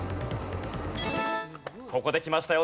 ここできましたよ